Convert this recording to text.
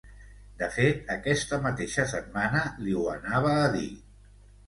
De fet, aquesta mateixa setmana li ho anava a dir.